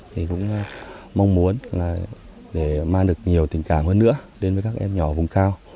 mình cũng mong muốn để mang được nhiều tình cảm hơn nữa đến với các em nhỏ vùng cao